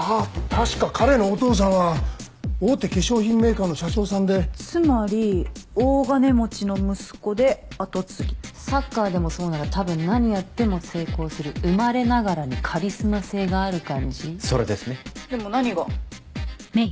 確か彼のお父さんは大手化粧品メーカーの社長さんでつまり大金持ちの息子で跡継ぎサッカーでもそうなら多分何やっても成功する生まれながらにカリスマ性がある感じそれですねでも何が？